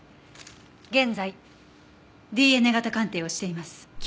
現在ＤＮＡ型鑑定をしています。